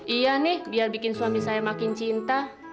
iya nih biar bikin suami saya makin cinta